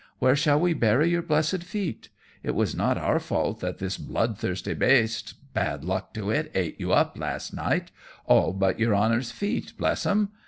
Where shall we bury your blessid feet? It was not our fault that this blood thirsty baste, bad luck to it, ate you up last night, all but your honor's feet, bless them.